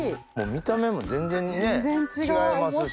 見た目も全然違いますし。